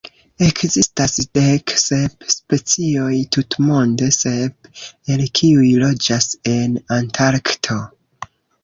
Ekzistas dek sep specioj tutmonde, sep el kiuj loĝas en Antarkto.